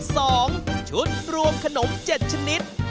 สองชุดรวมขนม๗ชนิด